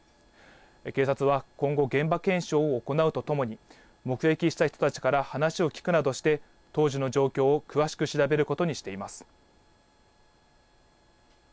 警察は今後、現場検証を行うとともに、目撃した人たちから話を聞くなどして、当時の状況を詳しく調べることにしています。